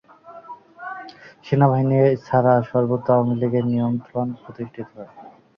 সেনাবাহিনী ছাড়া সর্বত্র আওয়ামী লীগের নিয়ন্ত্রণ প্রতিষ্ঠিত হয়।